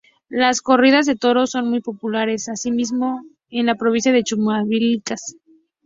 Las corridas de toros son muy populares, asimismo, en la provincia de Chumbivilcas.